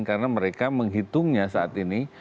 karena mereka menghitungnya saat ini